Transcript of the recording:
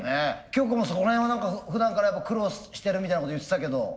きょうこもそこの辺は何かふだんからやっぱ苦労してるみたいなこと言ってたけど。